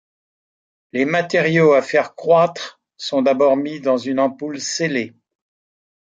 Les matériaux à faire croître sont d'abord mis dans une ampoule scellée.